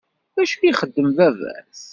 D acu ixeddem baba-s?